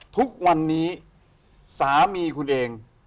ทุกวันนี้สามีคุณเอง